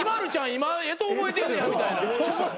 今干支覚えてんねやみたいな。